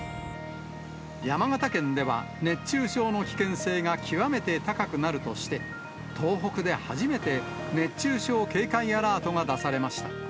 山形県では、熱中症の危険性が極めて高くなるとして、東北で初めて、熱中症警戒アラートが出されました。